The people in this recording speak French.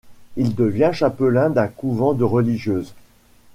Il devient chapelain d'un couvent de religieuses.